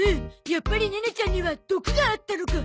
やっぱりネネちゃんには毒があったのか。